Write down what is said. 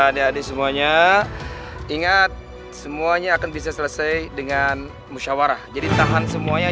adik adik semuanya ingat semuanya akan bisa selesai dengan musyawarah jadi tahan semuanya